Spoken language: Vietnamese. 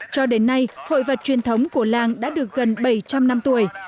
cho đến nay hội vật truyền thống của làng đã được gần bảy trăm linh năm tuổi